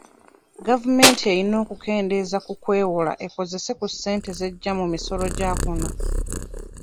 Gavumenti eyina okukeendeeza ku kwewola ekozese ku ssente z'ejja mu misolo gya kuno.